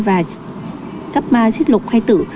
và cấp triết lục khai tử